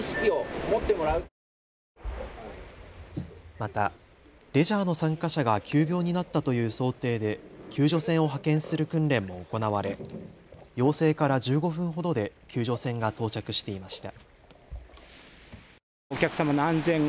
またレジャーの参加者が急病になったという想定で救助船を派遣する訓練も行われ要請から１５分ほどで救助船が到着していました。